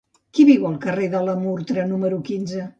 Qui viu al carrer de la Murtra número quinze?